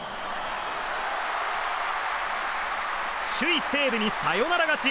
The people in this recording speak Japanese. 首位、西武にサヨナラ勝ち。